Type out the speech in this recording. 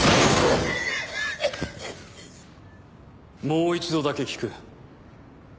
もう一度だけ聞く。